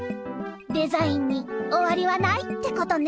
デザインにおわりはないってことね。